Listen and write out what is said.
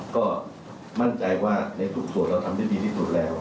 ก็มั่นใจว่าในทุกส่วนเราทำได้ดีที่สุดแล้ว